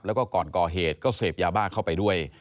แล้วก็ก่อนก่อเหตุก็เสพยาบ้าเข้าไปด้วย